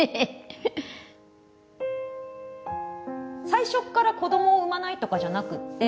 最初から子どもを産まないとかじゃなくて。